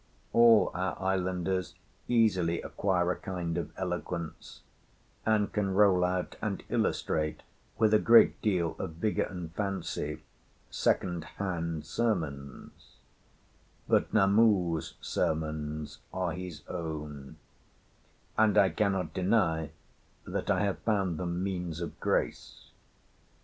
All our islanders easily acquire a kind of eloquence, and can roll out and illustrate, with a great deal of vigour and fancy, second hand sermons; but Namu's sermons are his own, and I cannot deny that I have found them means of grace.